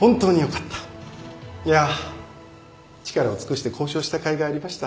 いやあ力を尽くして交渉したかいがありました。